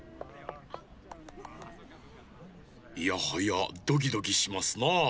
いやはやドキドキしますなあ。